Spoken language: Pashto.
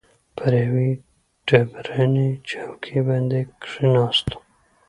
پر یوې ډبرینې چوکۍ باندې کښېناستو.